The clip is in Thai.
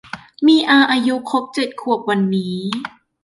มีอาอายุครบเจ็ดขวบวันนี้